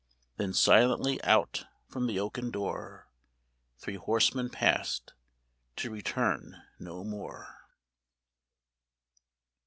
Then silently out from the oaken door Three horsemen passed, to return no more.